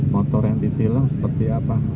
motor yang ditilang seperti apa